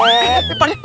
eh pak deh